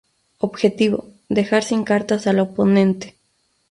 Objetivo: Dejar sin cartas al oponente.